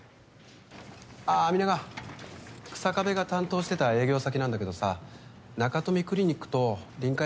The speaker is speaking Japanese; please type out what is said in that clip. あぁ皆川日下部が担当してた営業先なんだけどさ中富クリニックと臨海